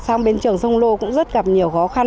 sang bên trường sông lô cũng rất gặp nhiều khó khăn